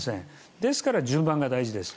ですから、順番が大事ですと。